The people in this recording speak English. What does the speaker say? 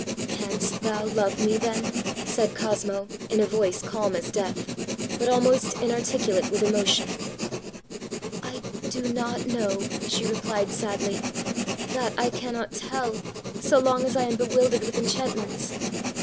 ã ãCanst thou love me then?ã said Cosmo, in a voice calm as death, but almost inarticulate with emotion. ãI do not know,ã she replied sadly; ãthat I cannot tell, so long as I am bewildered with enchantments.